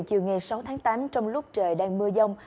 chiều ngày sáu tháng tám trong lúc trời đang mưa dông